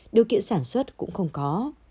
điều kiện sản xuất cũng không có